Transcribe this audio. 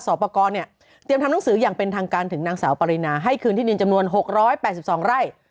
ประกอบเนี่ยเตรียมทำหนังสืออย่างเป็นทางการถึงนางสาวปรินาให้คืนที่ดินจำนวน๖๘๒ไร่